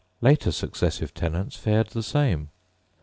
Later successive tenants fared the same.